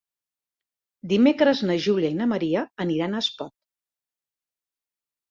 Dimecres na Júlia i na Maria aniran a Espot.